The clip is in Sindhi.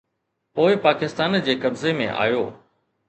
پوءِ پاڪستان جي قبضي ۾ آيو